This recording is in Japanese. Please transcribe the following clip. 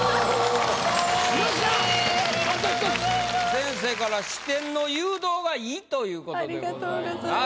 先生から「視点の誘導が良い」ということでございます。